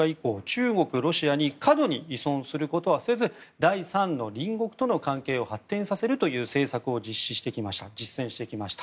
中国、ロシアに過度に依存することはせず第三の隣国との関係を発展させるという政策を実践してきました。